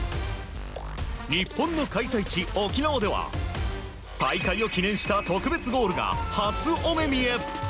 日本の開催地・沖縄では開会を記念した特別ゴールが初お目見え。